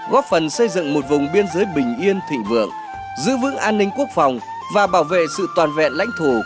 góp phần xây dựng một vùng biên giới bình yên thịnh vượng giữ vững an ninh quốc phòng và bảo vệ sự toàn vẹn lãnh thổ của đất nước